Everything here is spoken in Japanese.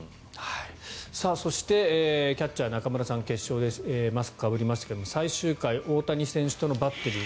そしてキャッチャー中村さん決勝でマスクをかぶりましたが最終回、大谷選手とのバッテリー